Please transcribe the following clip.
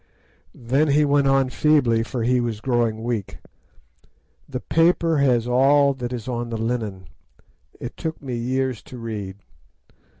"Then he went on feebly, for he was growing weak: 'The paper has all that is on the linen. It took me years to read.